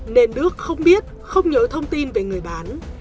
nên đức không biết không nhớ thông tin về người bán